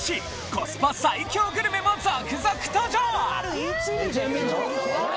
コスパ最強グルメも続々登場！